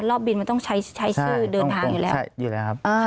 รอบบินมันต้องใช้ชื่อเดินทางอยู่แล้ว